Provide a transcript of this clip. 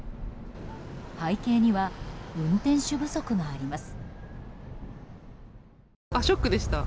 背景には運転手不足があります。